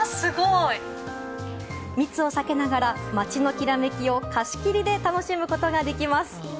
密を避けながら、街のきらめきを貸し切りで楽しむことができます。